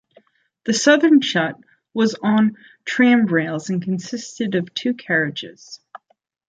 The southern chute was on tram rails and consisted of two carriages.